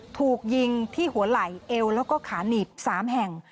ถูกยิงที่หัวไหล่เอวแล้วก็ขาหนีบ๓แห่ง